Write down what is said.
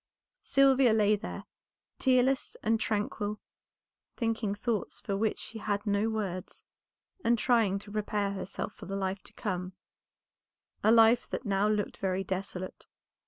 Sylvia lay there, tearless and tranquil; thinking thoughts for which she had no words, and trying to prepare herself for the life to come, a life that now looked very desolate.